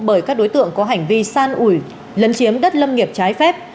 bởi các đối tượng có hành vi san ủi lấn chiếm đất lâm nghiệp trái phép